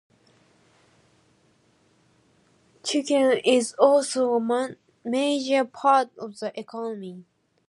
Chicken is also a major part of the economy.